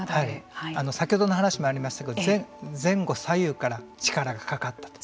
先ほどの話にもありましたけれども前後左右から力がかかったと。